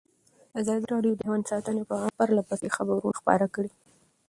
ازادي راډیو د حیوان ساتنه په اړه پرله پسې خبرونه خپاره کړي.